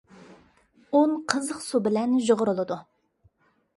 ئۇن قىزىق سۇ بىلەن يۇغۇرۇلىدۇ.